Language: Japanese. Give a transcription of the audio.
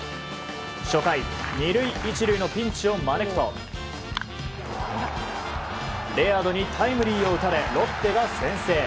初回、２塁１塁のピンチを招くとレアードにタイムリーを打たれロッテが先制。